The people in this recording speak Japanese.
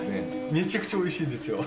めちゃくちゃおいしいんですよ。